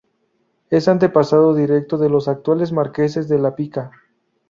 Es antepasado directo de los actuales marqueses de la Pica.